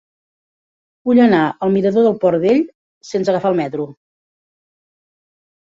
Vull anar al mirador del Port Vell sense agafar el metro.